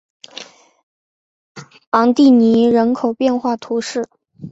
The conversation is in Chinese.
昂蒂尼人口变化图示